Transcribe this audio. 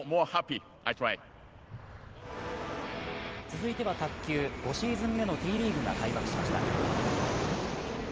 続いては卓球、５シーズン目のＴリーグが開幕しました。